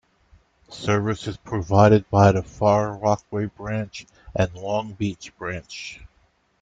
Service is provided by the Far Rockaway Branch and Long Beach Branch.